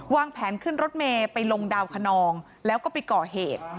วางแผนขึ้นรถเมย์ไปลงดาวคนองแล้วก็ไปก่อเหตุ